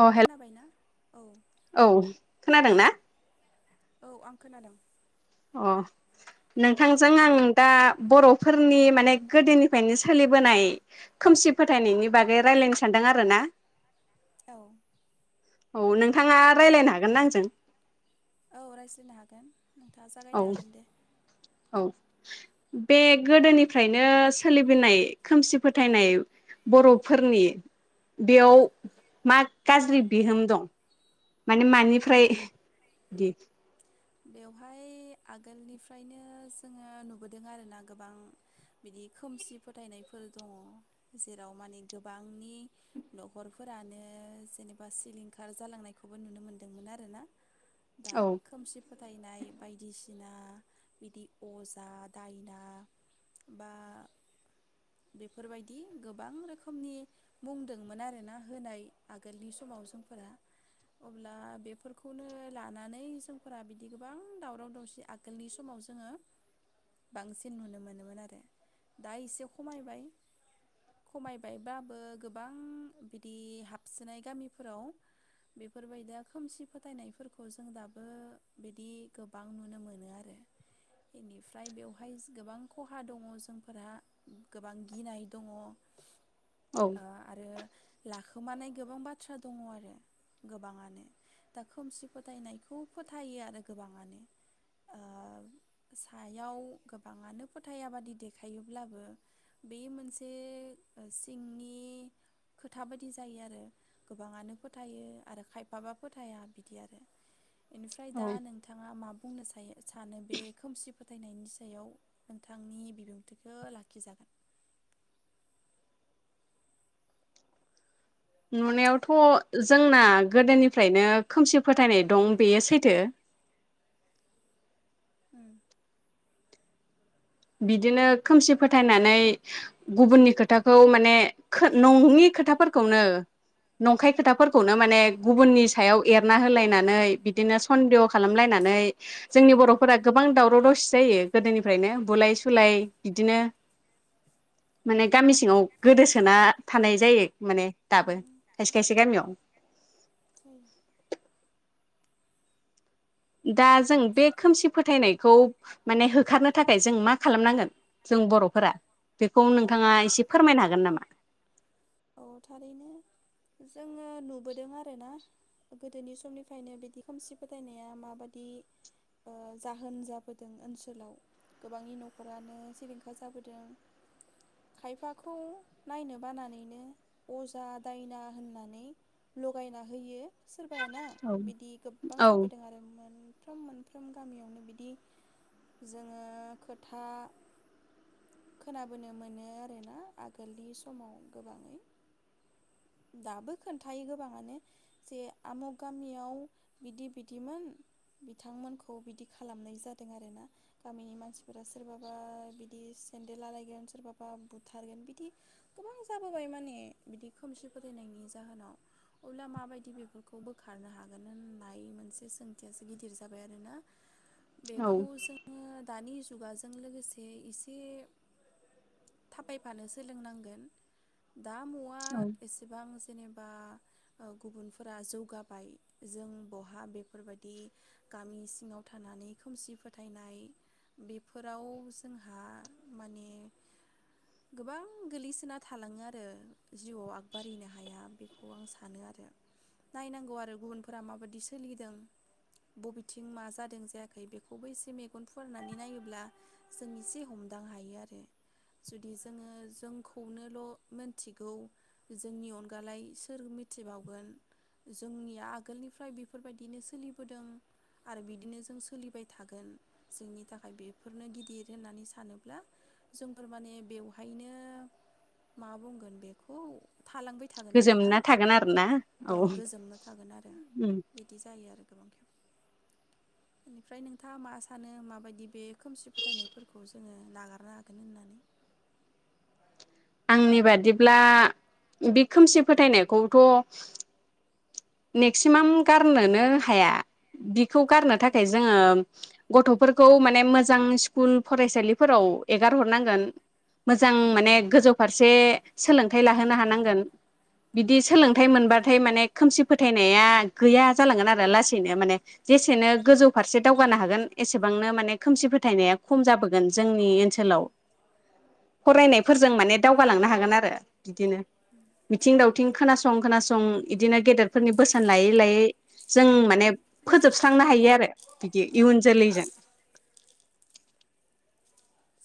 अ हेल खोनाबायना? औ औ खोनादों ना? औ आं खोनादों। अ नोंथांजों आं दा बर'फोरनि माने गोदोनिफ्रायनो सोलिबोनाय खोमसि फोथायनायनि बागै रायलायनो सान्दों आरोना औ औ नोंथाङा रायलायनो हागोन ना आंजों। औ रायज्लायनो हागोन। नोंथाङा औ जागायनो हागोन दे। औ बे गोदोनिफ्रायनो सोलिबोनाय खोमसि फोथायनाय बर'फोरनि बेयाव मा गाज्रि बिहोम दं? माने औ मानिफ्राय दि बेवहाय आगोलनिफ्रायनो जोङो नुबोदों आरोना गोबां बिदि खोमसि फोथायनायफोर दङ जेराव माने गोबांनि न'खरफोरानो जेनेबा सिलिंखार जालांनायखौबो नुनो मोनदोंमोन आरोना। दा औ खोमसि फोथायनाय बायदिसिना बिदि अजा दायना बा बेफोरबायदि गोबां रोखोमनि बुंदोंमोन आरोना होनाय आगोलनि समाव जोंफोरा अब्ला बेफोरखौनो लानानै जों फोरा बिदि गोबां दावराव दावसि आगोलनि समाव जोङो बांसिन नुनो मोनोमोन आरो। दा एसे खमायबाय खमायबायबाबो गोबां बिदि हाबसोनाय गामिफोराव बेफोरबायदिया खोमसि फोथायनायफोरखौ जों दाबो बिदि गोबां नुनो मोनो आरो इनिफ्राय बेवहाय गोबां खहा दङ जोंफोरहा गोबां गिनाय दङ। ओ औ आरो लाखोमानाय गोबां बाथ्रा दङ आरो गोबाङानो दा खोमसि फोथायनायखौ फो थायो आरो गोबाङानो ओ सायाव गोबाङानो फोथाया बादि देखायोब्लाबो बे मोनसे ओ सिंनि खोथा बायदि जायो आरो गोबाङानो फोथायो आरो खायफाबा फोथाया बिदि आरो। बेनिफ्राय दा औ नोंथाङा मा बुंनो सायो सानो बे खोमसि फोथायनायनि सायाव नोंथांनि बिबुंथिखौ लाखिजागोन। नुनायावथ' जोंना गोदोनिफ्रायनो खोमसि फोथायनाय दं बेयो सैथो। उम बिदिनो खोमसि फोथायनानै गुबुननि खोथाखौ माने खो नङि खोथाफोरखौनो नंखाय औ उम खोथाफोरखौनो माने गुबुननि सायाव एरना होलायनानै बिदिनो सन्देह खालामलायनानै जोंनि बर'फोरा गोबां दावराव दावसि जायो गोदोनिफ्रायनो। बुलाय सुलाय बिदिनो माने गामि सिङाव गोदोसोना थानाय जायो माने दाबो खायसे खाय [unintelligible] दा जों बे खोमसि फोथायनायखौ माने होखारनो थाखाय जों मा खालामनांगोन जों बर'फोरा बेखौ औ नोंथाङा एसे फोरमायनो हागोन नामा? औ थारैनो जोङो नुबोदों आरोना गोदोनि समनिफायनो बिदि खोमसि फोथायनाया माबादि ओ जाहोन जाबोदों ओनसोलाव गोबांनि न'खरानो सिलिंखार जाबोदों खायफाखौ नायनो बानानैनो अजा दायना होननानै लगायना होयो। सोरबायायाना औ बिदि गोबां औ जाबोदों आरो मोन फ्रोम मोनफ्रोम गामियावनो बिदि जोङो खोथा खोनाबोनो मोनो आरोना आगोलनि समाव गोबाङै दाबो खोन्थायो गोबाङानो जे आमुग गामियाव बिदि बिदिमोन बिथांमोनखौ बिदि खालामनाय जादों आरो ना गामिनि मानसिफोरा सोरबाबा बिदि सेन्देल आलायगोन सोरबाबा बुथारगोन बिदि गोबां जाबोबाय माने बिदि खोमसि फोथायनायनि जाहोनाव अब्ला माबायदि बेफोरखौ बोखारनो हागोन होननाय मोनसे सोंथियासो गिदिर जाबाय आरोना औ बेखौ जोङो दानि जुगाजों लोगोसे एसे थाबायफानो सोलोंनांगोन। दा मआ एसेबां जेनेबा ओ गुबुनफोरा जौगाबाय जों बहा बेफोरबायदि गामि सिङाव थानानै खोमसि फोथायनाय बेफोराव जोंहा माने गोबां गोलैसोना थालाङो आरो जिउआव आगबारिनो हाया बेखौ आं सानो आरो नायनांगौ आरो गुबुनफोरा माबादि सोलिदों बबेथिं मा जादों जायाखै बेखौबो एसे मेगन फुवारनानै नायोब्ला जों एसे हमदां हायो आरो जुदि जोङो जोंखौनो ल' मोन्थिगौ जोंनि अनगालाय सोर मिथिबावगोन जोंनिया आगोलनिफ्राय बेफोरबायदिनो सोलिबोदों आरो बिदिनो जों सोलिबाय थागोन जोंनि थाखाय बेफोरनो गिदिर होननानै सानोब्ला जोंफोर माने बेवहायनो मा बुंगोन बेखौ थालांबाय थागोन आरो ना गोजोमना थागोन आरोना औ ओं उम गोजोमना थागोन आरो बिदि जायो आरो। फ्राय नोंथाङा मा सानो माबायदि बे खोमसि फोथायनायफोरखौ जोङो नागारनो हागोन होननानै आंनि बादिब्ला बे खोमसि फोथायनायखौथ मेक्सिमाम गारनोनो हाया बि खौ गारनो थाखाय जोङो गथ'फोरखौ माने मोजां सिकुल फरायसालिफोराव एगार हरनांगोन। मोजां औ माने गोजौ फारसे सोलोंथाय लाहोनो हानांगोन बिदि सोलोंथाय मोनबाथाय माने खोमसि फोथायनाया गैया जालांगोन आरो लासैनो माने जेसेनो गोजौ फारसे दावगानो हागोन एसेबांनो माने खोमसि फोथायनाया खम जाबो गोन जोंनि ओन्सोलाव फरायनायफोरजों माने दावगालांनो हागोन आरो बिदिनो। मिथिं दावथिं खोना सं खोनासं इदिनो गेदेर फोरनि बोसोन लायै लायै जों माने फोजोबस्रांनो हायो आरो बिदि इयुन औ औ जोलैजों।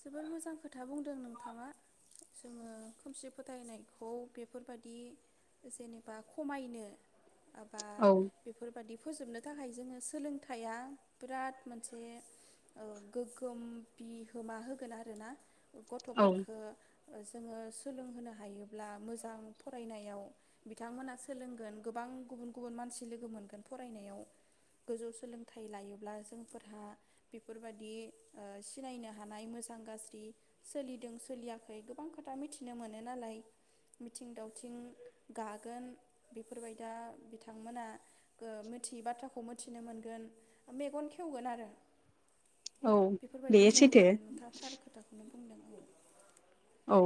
जोबोर मोजां खोथा बुंदों नोंथाङा जोङो खोमसि फोथायनायखौ बेफोरबादि जेनेबा खमायनो माबा औ बेफोरबादि फोजोबनो थाखाय जोंनो सोलोंथाया बिराद मोनसे ओ गोग्गोम बिहोमा हो गोन आरोना औ गथफोरखो ओ जोङो सोलोंहोनो हायोब्ला मोजां फरायनायाव बिथांमोना सोलोंगोन गोबां गुबुन गुबुन मानसि लोगो मोनगोन फरायनायाव गोजौ सोलोंथाय लायोब्ला जोंफोरहा बेफोरबादि ओ सिनायनो हानाय मोजां गाज्रि सोलिदों सोलियाखै गोबां खोथा मिथिनो मोनो नालाय मिथिं दावथिं गागोन बेफोरबायदा बिथांमोना ओ मिथियै बाथ्राखौ मोथिनो मोनगोन मेगन खेवगोन आरो औ बेयो सैथो। बेखौनो बुंदों औ। औ।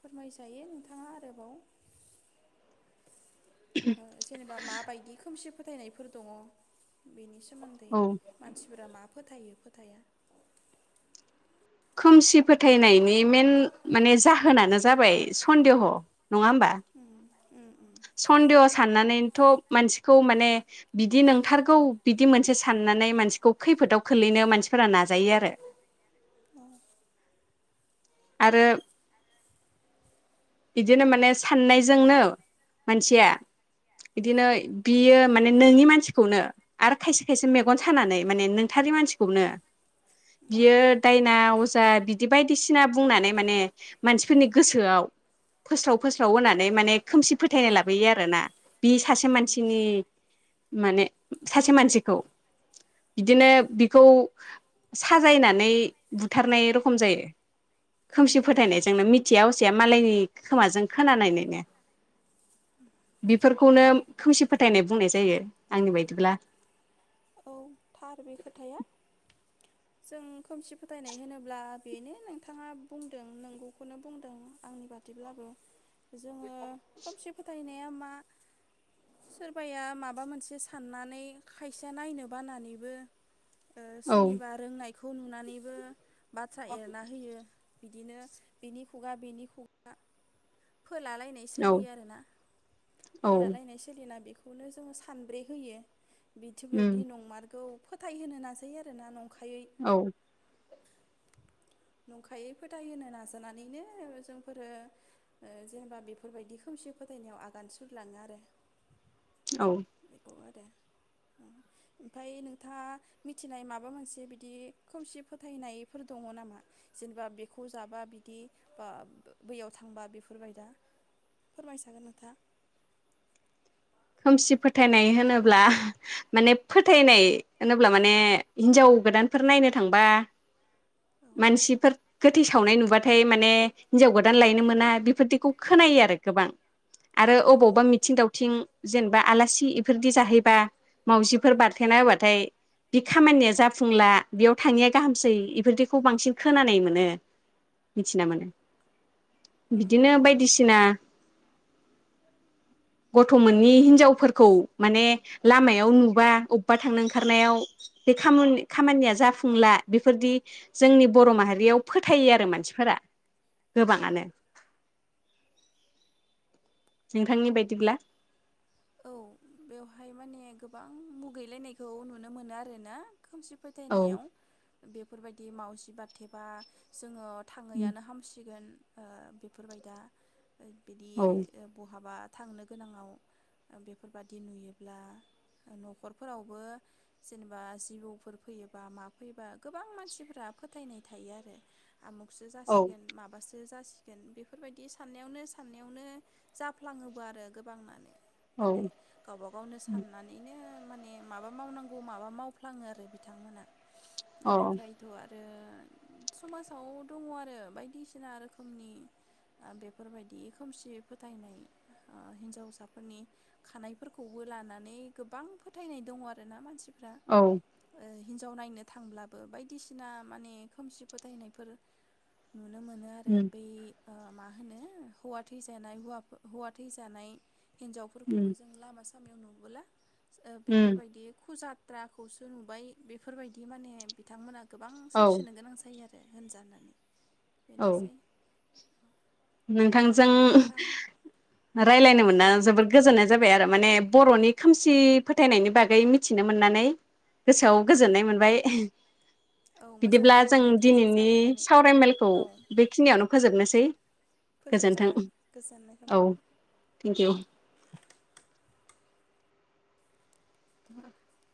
फोरमायजायो नोंथाङा आरोबाव। ओ जेनेबा माबायदि खोमसि फोथायनायफोर दङ बेनि सो मोन्दै औ मानसिफोरा मा फोथायो फोथाया खोमसि फोथायनायनि मेन माने जाहोनानो जाबाय सन्देह'। नङा होमबा उम उम उम सन्देह' सान्नानै थ मानसिखौ माने बिदि नोंथारगौ बिदि मोनसे सान्नानै मानसिखौ खैफोदाव खोलैनो मानसिफोरा नाजायो आरो औ आरो इदिनो माने सान्नायजोंनो मानसिया इदिनो बियो माने नोङि मानसिखौनो आरो खायसे खायसे मेगन सानानै माने नोंथारि मानसिखौनो बियो दायना अजा बिदि बायदिसिना बुंनानै माने मानसिफोरनि गोसोआव फोस्राव फोस्राव होनानै माने खोमसि फोथायनाय लाबोयो आरोना। बि सासे नंगौ मानसिनि माने सासे मानसिखौ बिदिनो बिखौ साजायनानै बुथारनाय रखम जायो। खोमसि फोथायनायजोंनो मिथिया असिया मालायनि खोमाजों खोनानायनैनो। बेफोर खौनो खोमसि फोथायनाय बुंनाय जायो आंनि बायदिब्ला। ओउ थार बे खोथाया। जों खोमसि फोथायनाय होनोब्ला बेनो नोंथाङा बुंदों नंगौखौनो बुंदों आंनि बादिब्लाबो जोङो ओ खोमसि फोथायनाय माया मा सोरबाया माबा मोनसे साननानै खाय सेया नायनो बानानैबो ओ औ सोरनिबा रोंनाय खौ नुनानैबो बाथ्रा एरना होयो बिदिनो बेनि खुगा बिनि खुगा फोला लायनाय औ सोलियो आरोना औ फोलालायनाय सोलियोना बेखौ बेखौनो जोङो सानब्रे होयो बिथि उम बायदि नंमारगौ फोथाय होनो नाजायो आरो ना नं औ नंखायै फोथायहो नाजानानैनो जोंफोरो ओ जेनेबा बेफोरबायदि खोमसि फोथायनायाव आगान सुरलाङो आरो औ बेखौ आ दे ओमफाय नोंथाङा मिथिनाय माबा मोनसे बिदि खोमसि फोथायनायफोर दङो नामा जेनेबा बेखौ जाबा बिदि बा ओ बैयाव थांबा बेफो फोरबायदा फोरमायसागोन नोंथाङा। खोमसि फोथायनाय होनोब्ला माने फोथायनाय होनोब्ला माने हिनजाव गोदानफोर नायनो थांबा औ मानसिफोर गोथै सावनाय नुबाथाय माने हिन्जाव गोदान लायनो मोना बेफोरदिखौ खोनायो आरो गोबां आरो औ अबावबा मिथिं दावथिं जेनेबा आलासि इफोरदि जाहैबा मावजिफोर बारथेना होबाथाय बि खामानिया जाफुंला बेयाव थाङैया गाहामसै इफोरदिखौ बांसिन खोनानाय मोनो मिथिना मोनो। ओं बिदिनो बायदिसिना गथ'मोन नैनि हिनजावफोरखौ माने लामायाव नुबा अबेबा थांनो ओंखारनायाव बे खामानि खामानिया जाफुंला बेफोरदि जोंनि बर' माहारियाव फोथायो आरो मानसिफोरा गोबाङानो। नोंथांनि बायदिब्ला? औ बेवहाय माने गोबां मुगैलायनायखौ नुनो मोनो आरो ना। खोमसि औ फोथायनायाव बे बेफोरबायदि मावजि बाथेबा जोङो थाङैआनो हामसिगोन ओ बेफोरबाय दा बिदि औ ओ बहाबा थांनो गोनाङाव बेफोरबादि नुयोब्ला नखरफोरावबो जेनेबा जिबौफोर फैयोबा मा फैयोबा गोबां मानसिफोरा फोथायनाय थायो आरो। आमुखसो औ जासिगोन माबासो जासि गोन बेफोरबायदि साननायावनो साननायावनो जाफ्लाङोबो आरो गोबांआनो। माने गावबा गावनो साननानैनो माने माबा मावनांगौ माबा मावफ्लाङो आरो बिथांमोना। औ अ एनिफ्रायथ आरो समाजाव दङ आरो बायदिसिना रोखोमनि ओ बेफोरबायदि खोमसि फोथायनाय। ओ हिन्जावसाफोरनि खानायफोरखौबो लानानै गोबां फोथायनाय दङ आरो ना। मानसि फ्रा औ ओइ हिन्जाव नायनो थांब्लाबो बायदिसिना माने खोमसि फोथायनायफोर नुनो मोनो आरो उम बै ओ मा होनो हौवा थैजानाय हौवा थैजानाय हिनजाव उम औ जों लामा सामा नुबोला ओ उम बेफोरबायदि खुजाद ट्राखौसो नुबाय। बेफोरबायदि माने बिथांमोना गोबां औ सैसोनो गोनां जायो आरो। होनजानानै औ बेनोसै। अब्लाथ' नोंथांजों नोंथां रायलायनो मोना औ जोबोद गोजोननाय जाबाय आरो माने बरनि खोमसि फोथायनायनि बागै मिथिनो मोननानै गोसोआव गोजोननाय मोनबाय। औ मोजां बिदिब्ला नांबाय जों नोंथांजों दिनैनि सावरायनानै सावरायमेलखौ औ बेखिनियावनो फोजोबनोसै। [unintelligible] फोजोबजागोन गोजोननाय थाबाय। Thank you [inaudible]